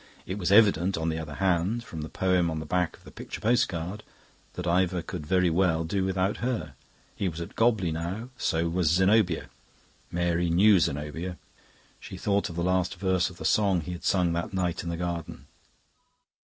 It was evident, on the other hand, from the poem on the back of the picture postcard, that Ivor could very well do without her. He was at Gobley now, so was Zenobia. Mary knew Zenobia. She thought of the last verse of the song he had sung that night in the garden.